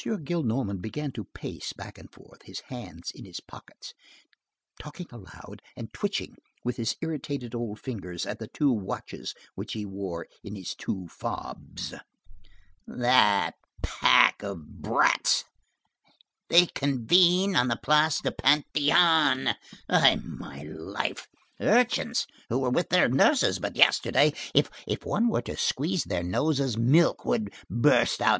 Gillenormand began to pace back and forth, his hands in his pockets, talking aloud, and twitching, with his irritated old fingers, at the two watches which he wore in his two fobs. "That pack of brats! they convene on the Place du Panthéon! by my life! urchins who were with their nurses but yesterday! If one were to squeeze their noses, milk would burst out.